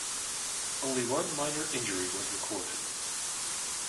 Only one minor injury was recorded.